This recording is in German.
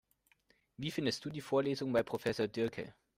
Wie findest du die Vorlesungen bei Professor Diercke?